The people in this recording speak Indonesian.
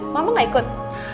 mama gak ikut